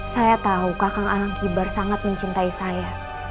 saya tahu kakang alam kibar sangat mencintai saya